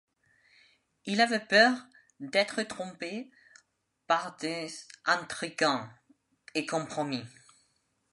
Il avait peur d'être trompé par des intrigants, et compromis.